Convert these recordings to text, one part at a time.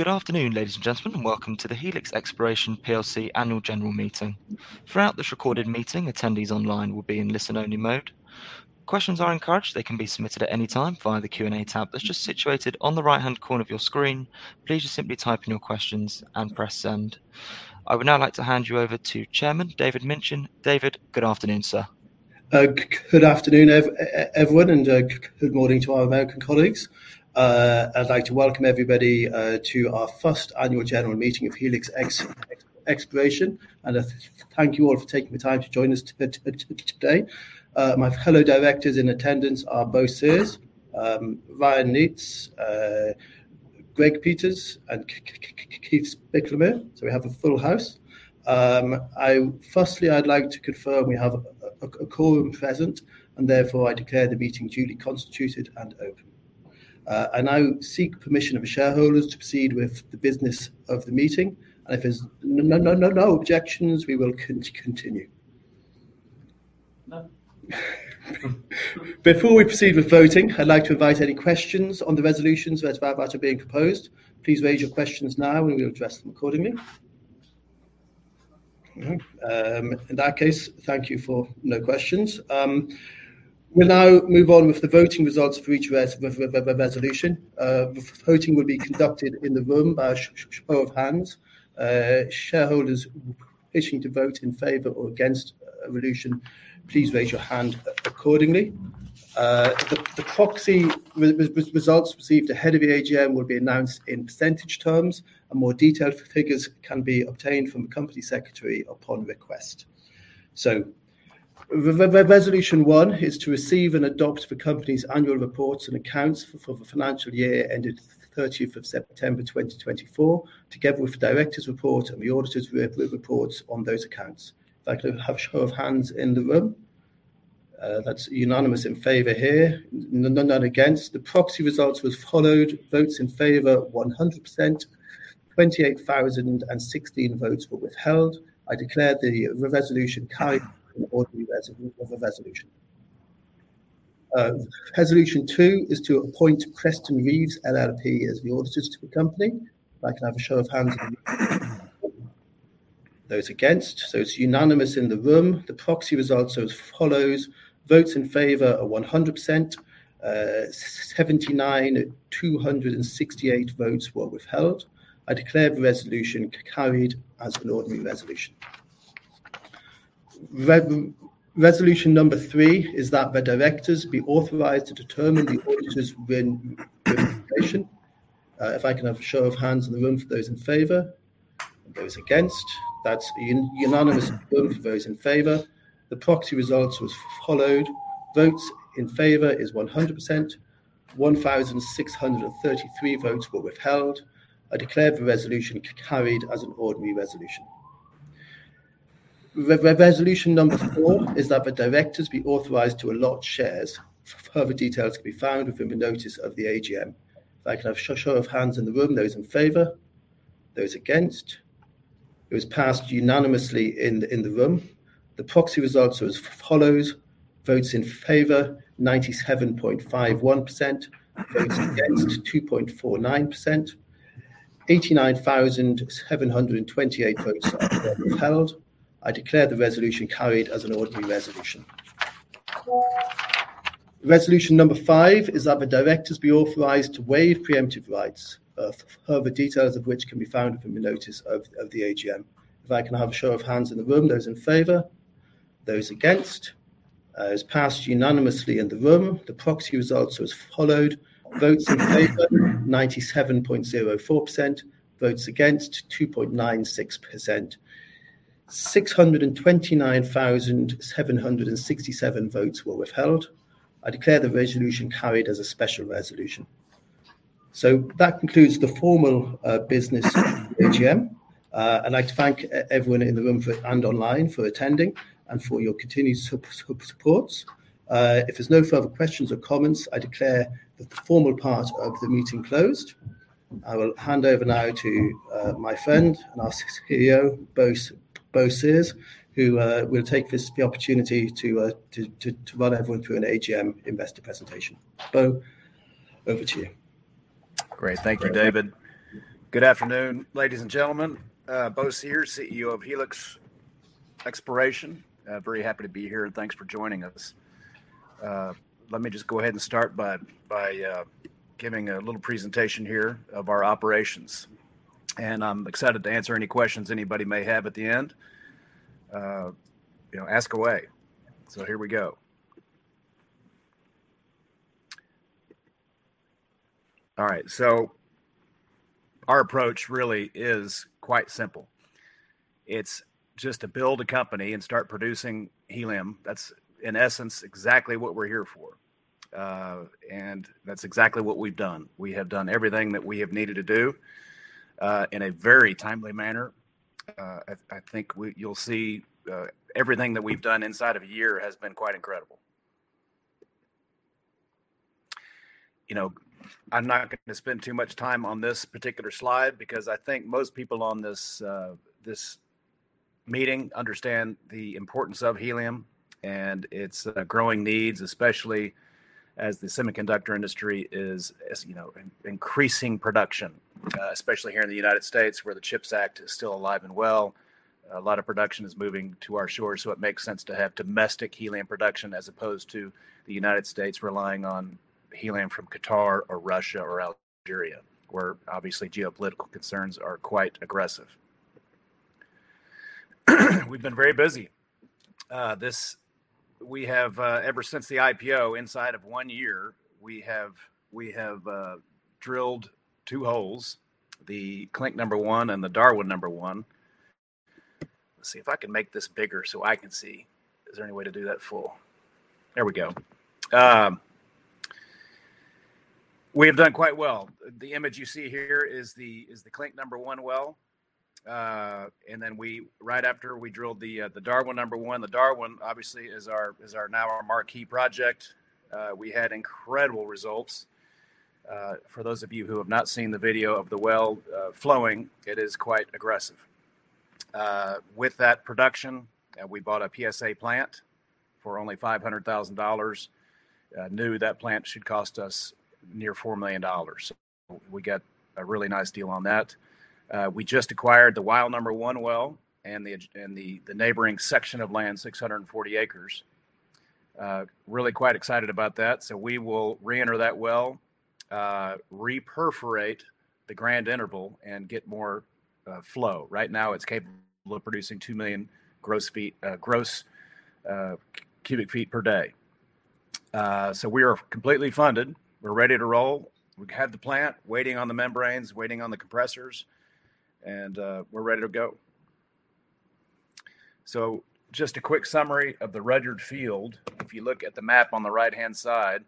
Good afternoon, ladies and gentlemen, and welcome to the Helix Exploration PLC Annual General Meeting. Throughout this recorded meeting, attendees online will be in listen-only mode. Questions are encouraged. They can be submitted at any time via the Q&A tab that's just situated on the right-hand corner of your screen. Please just simply type in your questions and press Send. I would now like to hand you over to Chairman David Minchin. David, good afternoon, sir. Good afternoon, everyone, and good morning to our American colleagues. I'd like to welcome everybody to our first annual general meeting of Helix Exploration, and thank you all for taking the time to join us today. My fellow directors in attendance are Bo Sears, Ryan Neates, Greg Peters, and Keith Spickelmier, so we have a full house. Firstly, I'd like to confirm we have a quorum present, and therefore I declare the meeting duly constituted and open. I now seek permission of shareholders to proceed with the business of the meeting. If there's no objections, we will continue. None. Before we proceed with voting, I'd like to invite any questions on the resolutions as they're about to being proposed. Please raise your questions now, and we'll address them accordingly. No? In that case, thank you for no questions. We'll now move on with the voting results for each resolution. Voting will be conducted in the room by a show of hands. Shareholders wishing to vote in favor or against a resolution, please raise your hand accordingly. The proxy results received ahead of the AGM will be announced in percentage terms, and more detailed figures can be obtained from the company secretary upon request. Resolution one is to receive and adopt the company's annual reports and accounts for the financial year ended third of September 2024, together with the directors' report and the auditors' reports on those accounts. If I could have a show of hands in the room. That's unanimous in favor here. None against. The proxy results as follows. Votes in favor, 100%. 28,016 votes were withheld. I declare the resolution carried as an ordinary resolution. Resolution two is to appoint Kreston Reeves LLP as the auditors to the company. If I can have a show of hands. Those against. It's unanimous in the room. The proxy results as follows. Votes in favor are 100%. 79,268 votes were withheld. I declare the resolution carried as an ordinary resolution. Resolution number three is that the directors be authorized to determine the auditors' remuneration. If I can have a show of hands in the room for those in favor. Those against. That's unanimous vote for those in favor. The proxy results as follows. Votes in favor is 100%. 1,633 votes were withheld. I declare the resolution carried as an ordinary resolution. Resolution number four is that the directors be authorized to allot shares. Further details can be found within the notice of the AGM. If I can have a show of hands in the room. Those in favor. Those against. It was passed unanimously in the room. The proxy results as follows. Votes in favor, 97.51%. Votes against, 2.49%. 89,728 votes are withheld. I declare the resolution carried as an ordinary resolution. Resolution number five is that the directors be authorized to waive preemptive rights, further details of which can be found from the notice of the AGM. If I can have a show of hands in the room. Those in favor. Those against. It was passed unanimously in the room. The proxy results as follows. Votes in favor, 97.04%. Votes against, 2.96%. 629,767 votes were withheld. I declare the resolution carried as a special resolution. That concludes the formal business of the AGM. I'd like to thank everyone in the room and online for attending and for your continued support. If there's no further questions or comments, I declare the formal part of the meeting closed. I will hand over now to my friend and our CEO, Bo Sears, who will take this opportunity to run everyone through an AGM investor presentation. Bo, over to you. Great. Thank you, David. Good afternoon, ladies and gentlemen. Bo Sears, CEO of Helix Exploration. Very happy to be here. Thanks for joining us. Let me just go ahead and start by giving a little presentation here of our operations. I'm excited to answer any questions anybody may have at the end. You know, ask away. Here we go. All right, our approach really is quite simple. It's just to build a company and start producing helium. That's, in essence, exactly what we're here for. That's exactly what we've done. We have done everything that we have needed to do in a very timely manner. I think you'll see everything that we've done inside of a year has been quite incredible. You know, I'm not gonna spend too much time on this particular slide because I think most people on this meeting understand the importance of helium and its growing needs, especially as the semiconductor industry is, you know, increasing production. Especially here in the United States where the CHIPS Act is still alive and well. A lot of production is moving to our shores, so it makes sense to have domestic helium production as opposed to the United States relying on helium from Qatar or Russia or Algeria, where obviously geopolitical concerns are quite aggressive. We've been very busy. Ever since the IPO, inside of one year, we have drilled two holes, the Clink #1 and the Darwin #1. Let's see if I can make this bigger so I can see. We have done quite well. The image you see here is the Clink #1 well. Right after we drilled the Darwin #1. The Darwin obviously is now our marquee project. We had incredible results. For those of you who have not seen the video of the well flowing, it is quite aggressive. With that production, we bought a PSA plant for only $500,000. New, that plant should cost us near $4 million. We got a really nice deal on that. We just acquired the Weil #1 well and the neighboring section of land, 640 acres. Really quite excited about that, so we will re-enter that well, reperforate the grand interval and get more flow. Right now it's capable of producing 2 million gross cubic feet per day. We are completely funded. We're ready to roll. We have the plant waiting on the membranes, waiting on the compressors, and we're ready to go. Just a quick summary of the Rudyard field. If you look at the map on the right-hand side,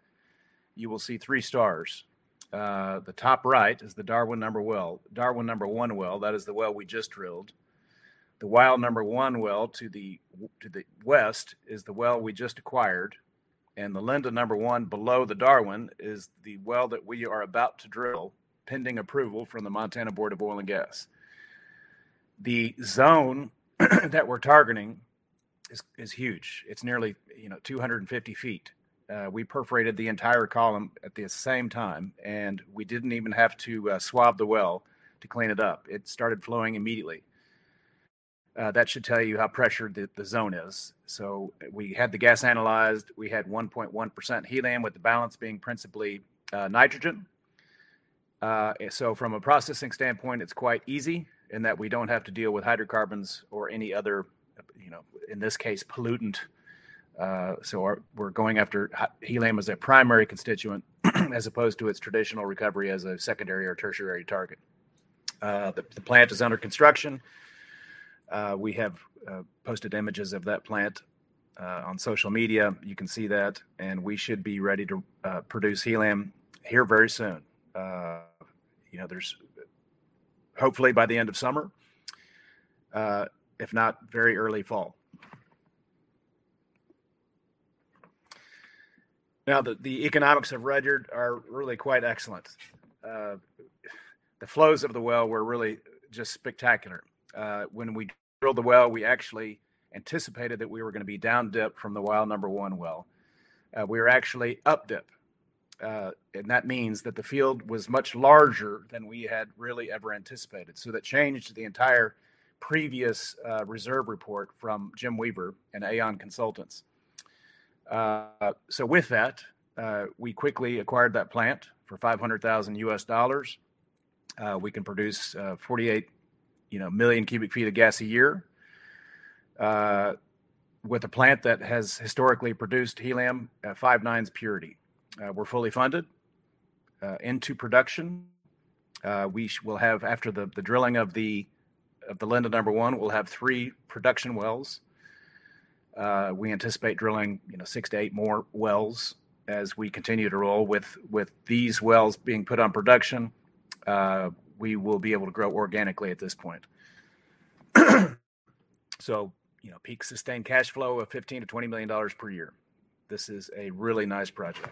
you will see three stars. The top right is the Darwin #1 well. Darwin #1 well, that is the well we just drilled. The Weil #1 well to the west is the well we just acquired, and the Linden number one below the Darwin is the well that we are about to drill, pending approval from the Montana Board of Oil and Gas. The zone that we're targeting is huge. It's nearly 250 feet. We perforated the entire column at the same time, and we didn't even have to swab the well to clean it up. It started flowing immediately. That should tell you how pressured the zone is. We had the gas analyzed. We had 1.1% helium with the balance being principally nitrogen. From a processing standpoint, it's quite easy in that we don't have to deal with hydrocarbons or any other in this case, pollutant. So our... We're going after helium as a primary constituent as opposed to its traditional recovery as a secondary or tertiary target. The plant is under construction. We have posted images of that plant on social media. You can see that, and we should be ready to produce helium here very soon. You know, hopefully by the end of summer, if not, very early fall. Now, the economics of Rudyard are really quite excellent. The flows of the well were really just spectacular. When we drilled the well, we actually anticipated that we were gonna be down dip from the Weil #1 well. We were actually up dip. That means that the field was much larger than we had really ever anticipated. That changed the entire previous reserve report from Jim Weaver and Aeon Consultants. With that, we quickly acquired that plant for $500,000. We can produce 48, you know, million cubic feet of gas a year with a plant that has historically produced helium at five nines purity. We're fully funded into production. We will have, after the drilling of the Linden #1, three production wells. We anticipate drilling, you know, six to eight more wells as we continue to roll. With these wells being put on production, we will be able to grow organically at this point. You know, peak sustained cash flow of $15 million-$20 million per year. This is a really nice project.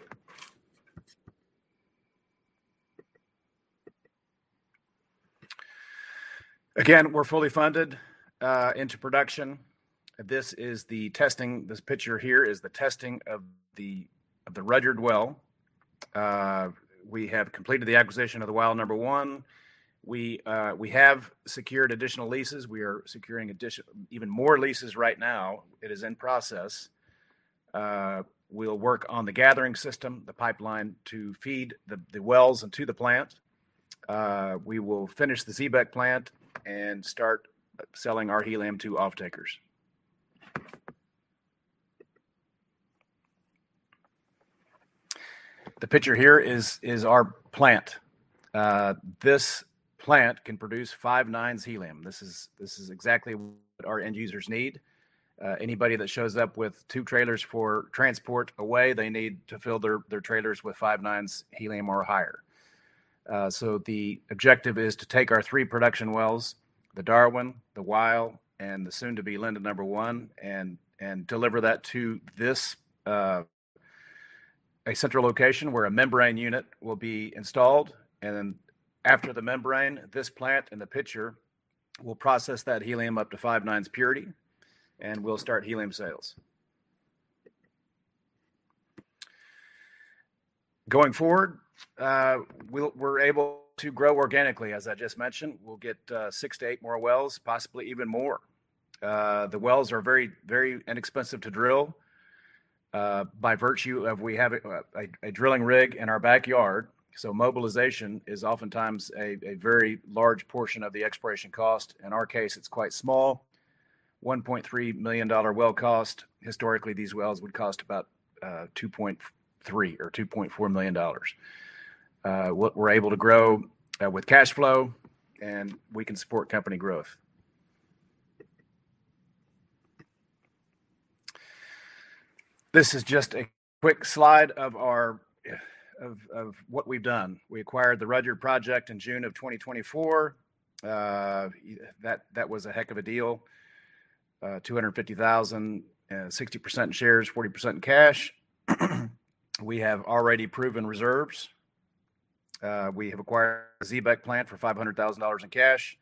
Again, we're fully funded into production. This picture here is the testing of the Rudyard well. We have completed the acquisition of the Weil #1. We have secured additional leases. We are securing even more leases right now. It is in process. We'll work on the gathering system, the pipeline to feed the wells and to the plant. We will finish the Xebec plant and start selling our helium to offtakers. The picture here is our plant. This plant can produce five nines helium. This is exactly what our end users need. Anybody that shows up with two trailers for transport away, they need to fill their trailers with five nines helium or higher. The objective is to take our three production wells, the Darwin, the Weil, and the soon to be Linden #1, and deliver that to this a central location where a membrane unit will be installed, and then after the membrane, this plant and the PSA will process that helium up to five nines purity, and we'll start helium sales. Going forward, we're able to grow organically, as I just mentioned. We'll get six to eight more wells, possibly even more. The wells are very, very inexpensive to drill, by virtue of we have a drilling rig in our backyard, so mobilization is oftentimes a very large portion of the exploration cost. In our case, it's quite small, $1.3 million well cost. Historically, these wells would cost about $2.3 million or $2.4 million. We're able to grow with cash flow, and we can support company growth. This is just a quick slide of what we've done. We acquired the Rudyard project in June of 2024. That was a heck of a deal. $250,000, 60% shares, 40% in cash. We have already proven reserves. We have acquired a Xebec plant for $500,000 in cash.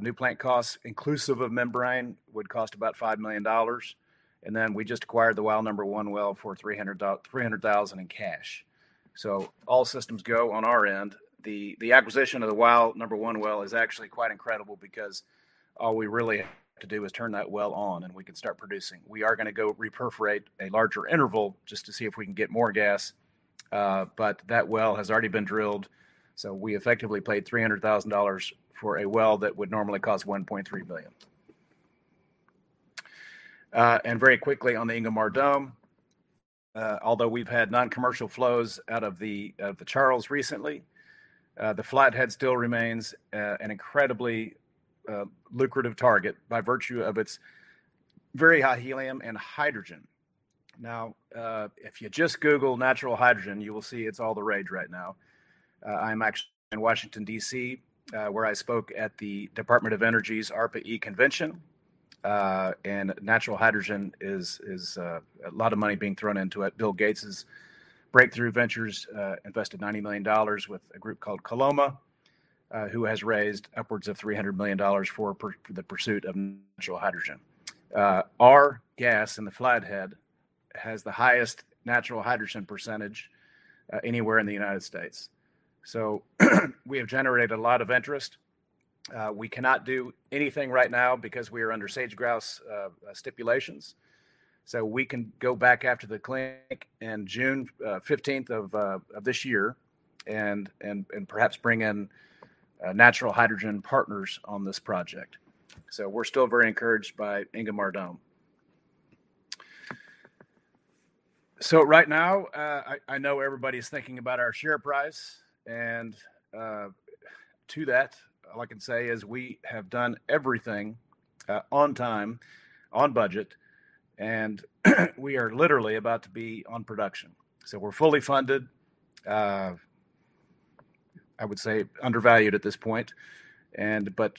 New plant costs inclusive of membrane would cost about $5 million. We just acquired the Weil #1 well for $300,000 in cash. All systems go on our end. The acquisition of the Weil #1 well is actually quite incredible because all we really have to do is turn that well on, and we can start producing. We are gonna go reperforate a larger interval just to see if we can get more gas, but that well has already been drilled, so we effectively paid $300,000 for a well that would normally cost $1.3 million. Very quickly on the Ingomar Dome, although we've had non-commercial flows out of the Charles recently, the Flathead still remains an incredibly lucrative target by virtue of its very high helium and hydrogen. Now, if you just Google natural hydrogen, you will see it's all the rage right now. I'm actually in Washington, D.C., where I spoke at the Department of Energy's ARPA-E convention, and natural hydrogen is a lot of money being thrown into it. Bill Gates's Breakthrough Energy Ventures invested $90 million with a group called Koloma, who has raised upwards of $300 million for the pursuit of natural hydrogen. Our gas in the Flathead has the highest natural hydrogen percentage anywhere in the United States. We have generated a lot of interest. We cannot do anything right now because we are under sage grouse stipulations. We can go back after the Clink in June 15th of this year and perhaps bring in natural hydrogen partners on this project. We're still very encouraged by Ingomar Dome. Right now, I know everybody's thinking about our share price, and to that, all I can say is we have done everything on time, on budget, and we are literally about to be on production. We're fully funded, I would say undervalued at this point, but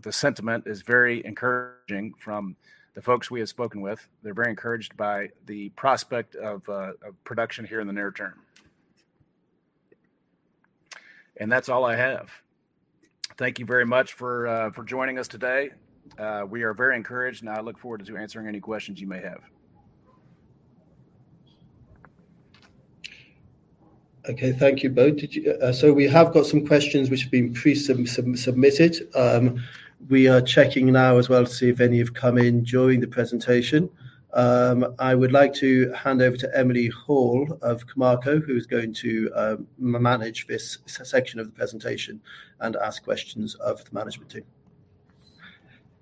the sentiment is very encouraging from the folks we have spoken with. They're very encouraged by the prospect of production here in the near term. That's all I have. Thank you very much for joining us today. We are very encouraged, and I look forward to answering any questions you may have. Okay. Thank you both. We have some questions which have been pre-submitted. We are checking now as well to see if any have come in during the presentation. I would like to hand over to Emily Hall of Camarco, who's going to manage this section of the presentation and ask questions of the management team.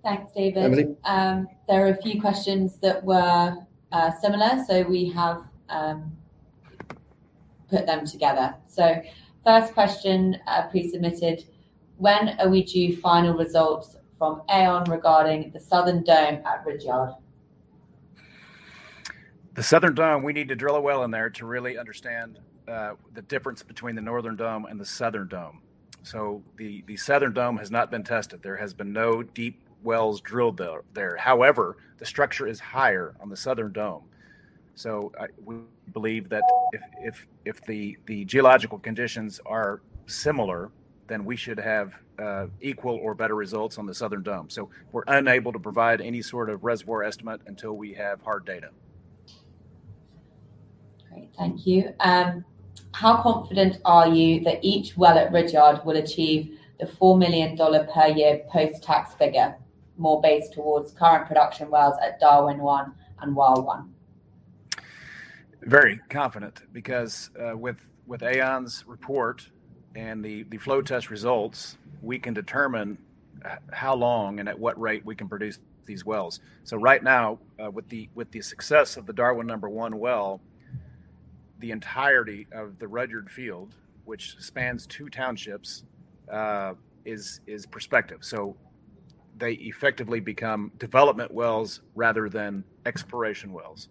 Thanks, David. Emily. There are a few questions that were similar, so we have put them together. First question, pre-submitted, when are we due final results from Aeon regarding the southern dome at Rudyard? The southern dome, we need to drill a well in there to really understand the difference between the northern dome and the southern dome. The southern dome has not been tested. There has been no deep wells drilled there. However, the structure is higher on the southern dome. We believe that if the geological conditions are similar, then we should have equal or better results on the southern dome. We're unable to provide any sort of reservoir estimate until we have hard data. Great. Thank you. How confident are you that each well at Rudyard will achieve the $4 million per year post-tax figure, more based towards current production wells at Darwin #1 and Weil #1? Very confident because with Aeon's report and the flow test results, we can determine how long and at what rate we can produce these wells. Right now with the success of the Darwin #1 well, the entirety of the Rudyard field, which spans two townships, is prospective. They effectively become development wells rather than exploration wells,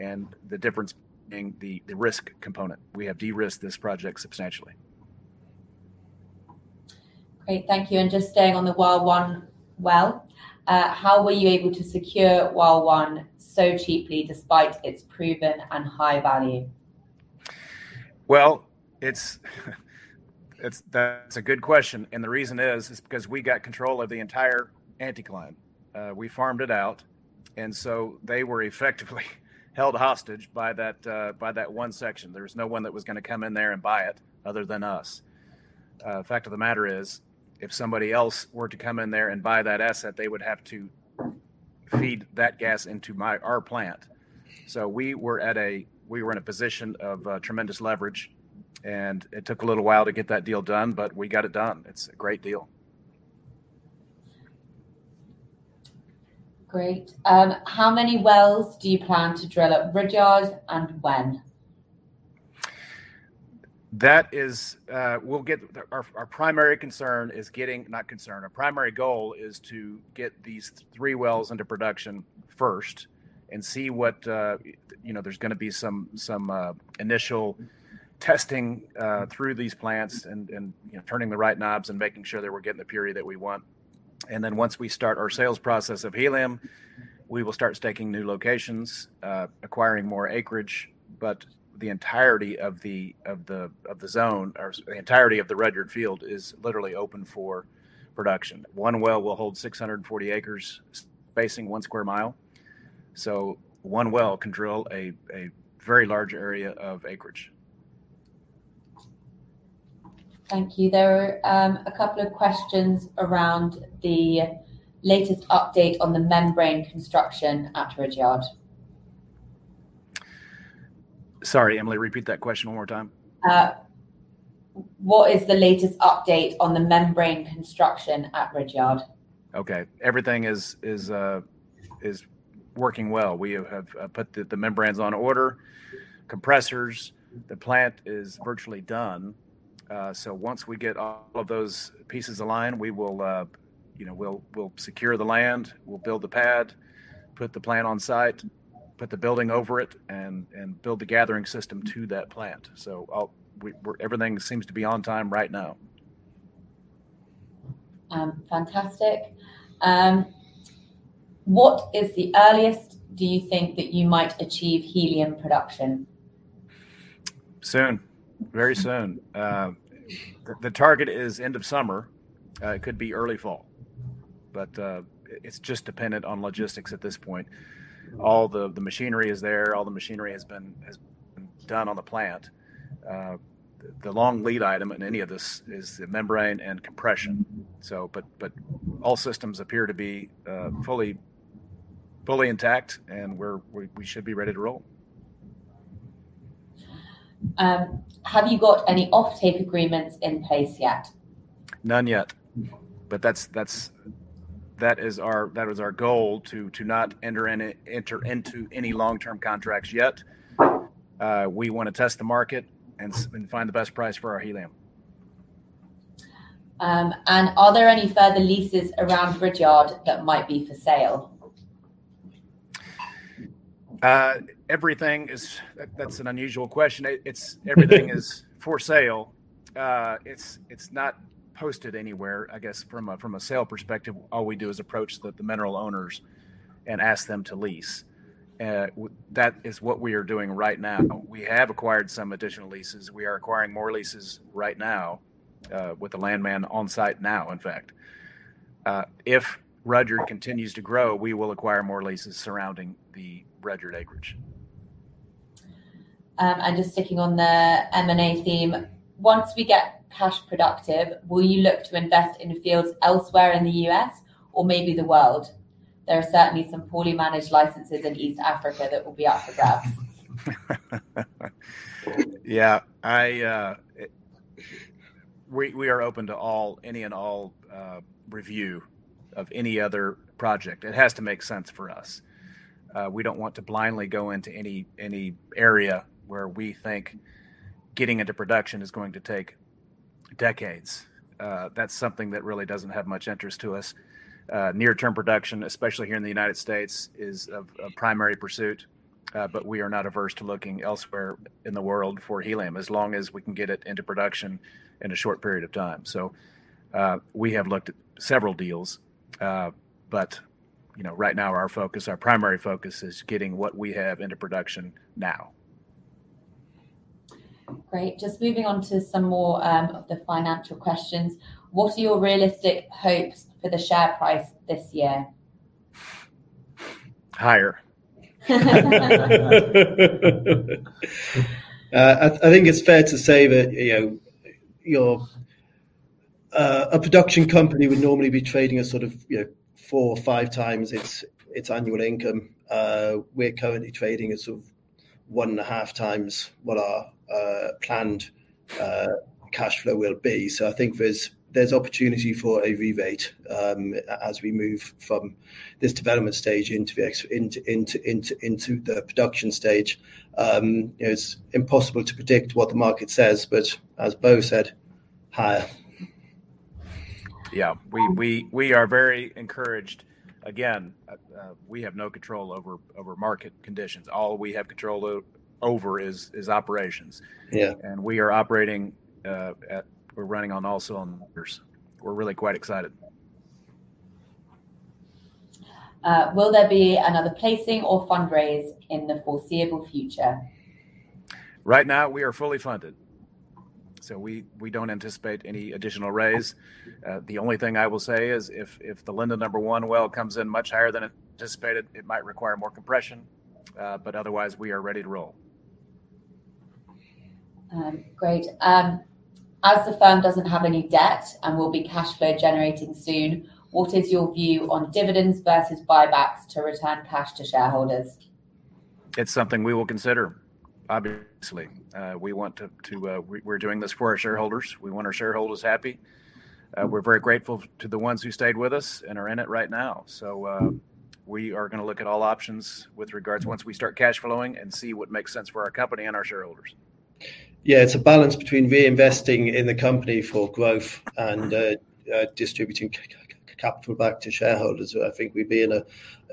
and the difference being the risk component. We have de-risked this project substantially. Great. Thank you. Just staying on the Weil #1 well, how were you able to secure Weil #1 so cheaply despite its proven and high value? Well, it's a good question, and the reason is because we got control of the entire anticline. We farmed it out, and so they were effectively held hostage by that, by that one section. There was no one that was gonna come in there and buy it other than us. Fact of the matter is, if somebody else were to come in there and buy that asset, they would have to feed that gas into our plant. We were in a position of tremendous leverage, and it took a little while to get that deal done, but we got it done. It's a great deal. Great. How many wells do you plan to drill at Rudyard, and when? Our primary goal is to get these three wells into production first and see what you know there's gonna be some initial testing through these plants and you know turning the right knobs and making sure that we're getting the purity that we want. Once we start our sales process of helium, we will start staking new locations acquiring more acreage. The entirety of the zone, or the entirety of the Rudyard Field is literally open for production. One well will hold 640 acres spacing one sq mi, so one well can drill a very large area of acreage. Thank you. There are, a couple of questions around the latest update on the membrane construction at Rudyard. Sorry, Emily, repeat that question one more time. What is the latest update on the membrane construction at Rudyard? Okay. Everything is working well. We have put the membranes on order. Compressors. The plant is virtually done. Once we get all of those pieces aligned, we will, you know, we'll secure the land, we'll build the pad, put the plant on site, put the building over it, and build the gathering system to that plant. Everything seems to be on time right now. Fantastic. What is the earliest that you think that you might achieve helium production? Soon. Very soon. The target is end of summer. It could be early fall. It's just dependent on logistics at this point. All the machinery is there. All the machinery has been done on the plant. The long lead item in any of this is the membrane and compression, so all systems appear to be fully intact, and we should be ready to roll. Have you got any offtake agreements in place yet? None yet. That's our goal to not enter into any long-term contracts yet. We wanna test the market and find the best price for our helium. Are there any further leases around Rudyard that might be for sale? That's an unusual question. Everything is for sale. It's not posted anywhere. I guess from a sale perspective, all we do is approach the mineral owners and ask them to lease. That is what we are doing right now. We have acquired some additional leases. We are acquiring more leases right now, with the landman on site now, in fact. If Rudyard continues to grow, we will acquire more leases surrounding the Rudyard acreage. Just sticking on the M&A theme. Once we get cash productive, will you look to invest in fields elsewhere in the U.S. or maybe the world? There are certainly some poorly managed licenses in East Africa that will be up for grabs. Yeah. We are open to all, any and all, review of any other project. It has to make sense for us. We don't want to blindly go into any area where we think getting into production is going to take decades. That's something that really doesn't have much interest to us. Near term production, especially here in the United States, is of primary pursuit. We are not averse to looking elsewhere in the world for helium, as long as we can get it into production in a short period of time. We have looked at several deals, you know, right now our focus, our primary focus is getting what we have into production now. Great. Just moving on to some more of the financial questions. What are your realistic hopes for the share price this year? Higher. I think it's fair to say that, you know, your a production company would normally be trading at sort of, you know, four or five times its annual income. We're currently trading at sort of 1.5 times what our planned cash flow will be. I think there's opportunity for a re-rating, as we move from this development stage into the production stage. You know, it's impossible to predict what the market says, but as Bo said, higher. Yeah. We are very encouraged. Again, we have no control over market conditions. All we have control over is operations. Yeah. We're running on all cylinders. We're really quite excited. Will there be another placing or fundraise in the foreseeable future? Right now we are fully funded. We don't anticipate any additional raise. The only thing I will say is if the Clink #1 well comes in much higher than anticipated, it might require more compression. Otherwise we are ready to roll. Great. As the firm doesn't have any debt and will be cash flow generating soon, what is your view on dividends versus buybacks to return cash to shareholders? It's something we will consider obviously. We want to. We're doing this for our shareholders. We want our shareholders happy. We're very grateful to the ones who stayed with us and are in it right now. We are gonna look at all options with regards once we start cash flowing and see what makes sense for our company and our shareholders. Yeah. It's a balance between reinvesting in the company for growth and distributing capital back to shareholders. I think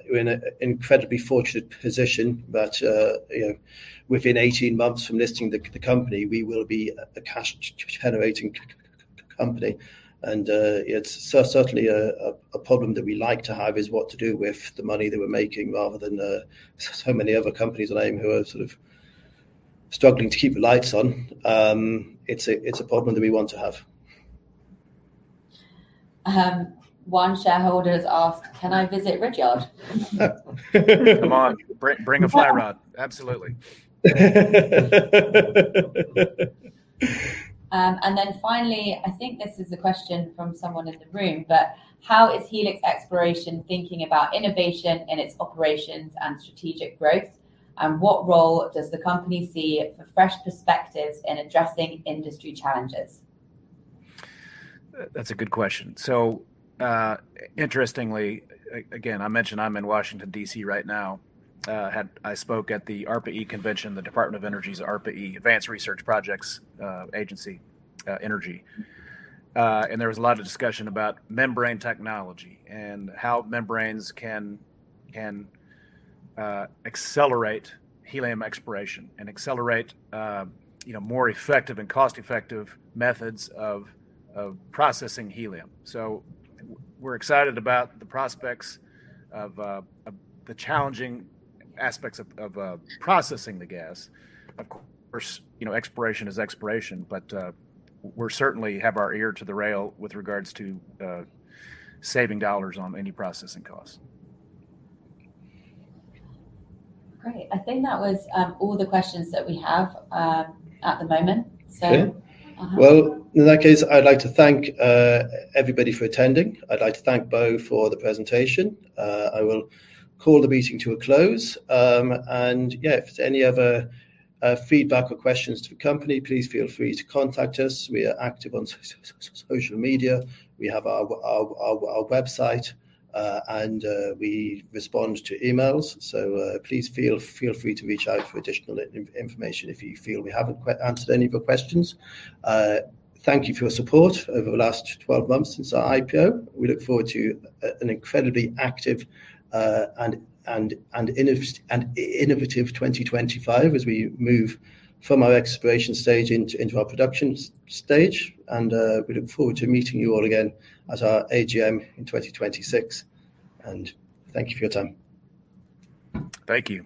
we're in an incredibly fortunate position that you know, within 18 months from listing the company, we will be a cash generating company. It's certainly a problem that we like to have, what to do with the money that we're making rather than so many other companies, namely who are sort of struggling to keep the lights on. It's a problem that we want to have. One shareholder has asked, "Can I visit Rudyard? Come on. Bring a fly rod. Absolutely. Finally, I think this is a question from someone in the room, but how is Helix Exploration thinking about innovation in its operations and strategic growth? What role does the company see for fresh perspectives in addressing industry challenges? That's a good question. Interestingly, again, I mentioned I'm in Washington, D.C. right now. I spoke at the ARPA-E convention, the Department of Energy's ARPA-E, Advanced Research Projects Agency Energy. There was a lot of discussion about membrane technology and how membranes can accelerate helium exploration and accelerate, you know, more effective and cost-effective methods of processing helium. We're excited about the prospects of the challenging aspects of processing the gas. Of course, you know, exploration is exploration. We certainly have our ear to the ground with regards to saving dollars on any processing costs. Great. I think that was all the questions that we have at the moment, so. Okay. Well, in that case I'd like to thank everybody for attending. I'd like to thank Beau for the presentation. I will call the meeting to a close. Yeah, if there's any other feedback or questions to the company, please feel free to contact us. We are active on social media. We have our website. We respond to emails. Please feel free to reach out for additional information if you feel we haven't answered any of your questions. Thank you for your support over the last 12 months since our IPO. We look forward to an incredibly active and innovative 2025 as we move from our exploration stage into our production stage. We look forward to meeting you all again at our AGM in 2026. Thank you for your time. Thank you.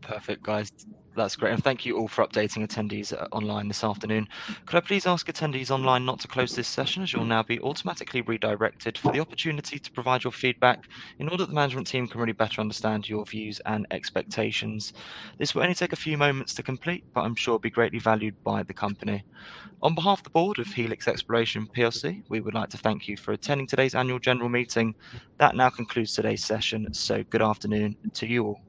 Perfect, guys. That's great. Thank you all for updating attendees online this afternoon. Could I please ask attendees online not to close this session, as you'll now be automatically redirected for the opportunity to provide your feedback in order that the management team can really better understand your views and expectations. This will only take a few moments to complete, but I'm sure it'll be greatly valued by the company. On behalf of the board of Helix Exploration PLC, we would like to thank you for attending today's annual general meeting. That now concludes today's session, so good afternoon to you all.